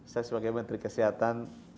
saya sebagai menteri kesehatan